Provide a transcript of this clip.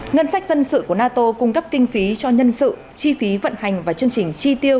ngân sách dân sự của nato cung cấp kinh phí cho nhân sự chi phí vận hành và chương trình chi tiêu